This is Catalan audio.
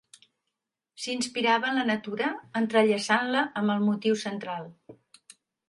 S'inspirava en la natura, entrellaçant-la amb el motiu central.